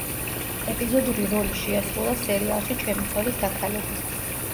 ეპიზოდური როლი შეასრულა სერიალში „ჩემი ცოლის დაქალები“.